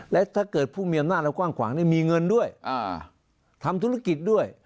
และถ้าเกิดผู้มีอำนาจเรากว้างขวางมีเงินด้วยทำธุรกิจด้วย